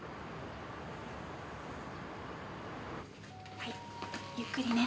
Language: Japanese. はいゆっくりね。